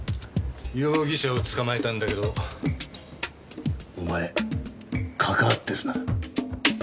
容疑者を捕まえたんだけどお前関わってるな？